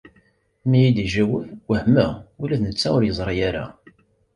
Mi yi-d-ijaweb wehmeɣ, ula d netta ur yeẓri ara.